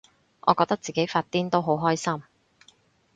我覺得自己發癲都好開心